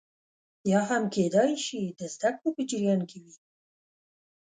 یا هم کېدای شي د زده کړو په جریان کې وي